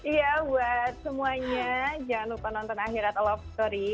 iya buat semuanya jangan lupa nonton akhirat al love story